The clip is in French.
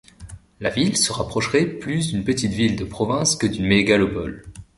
La ville se rapprocherait plus d'une petite ville de province que d'une mégalopole.